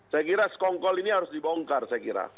saya kira sekongkol ini harus dibongkar saya kira